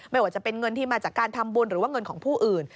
ไม่ว่าจะเป็นเงินที่มาจากการทำบุญหรือว่าเงินของผู้อื่น